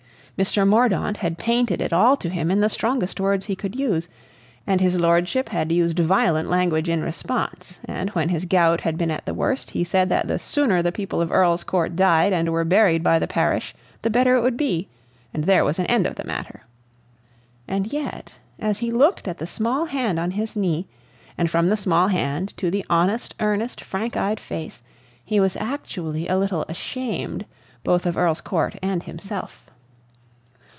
Mr. Mordaunt had painted it all to him in the strongest words he could use, and his lordship had used violent language in response; and, when his gout had been at the worst, he said that the sooner the people of Earl's Court died and were buried by the parish the better it would be, and there was an end of the matter. And yet, as he looked at the small hand on his knee, and from the small hand to the honest, earnest, frank eyed face, he was actually a little ashamed both of Earl's Court and himself.